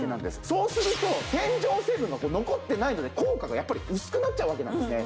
そうすると洗浄成分が残ってないので効果がやっぱり薄くなっちゃうわけなんですね。